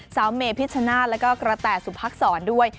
สาวเมพิชชนะแล้วก็กระแต่สุพักษรด้วย